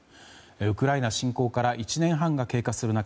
ウクライナ侵攻から１年半が経過する中